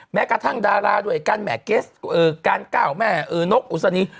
แม้กระทั่งดาราด้วยกันแม่เกสการก้าวแม่นกอุศนี